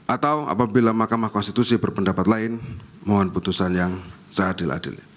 atau apabila mahkamah konstitusi berpendapat lain mohon putusan yang seadil adilnya